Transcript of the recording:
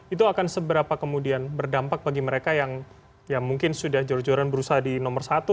itu akan seberapa kemudian berdampak bagi mereka yang mungkin sudah jor joran berusaha di nomor satu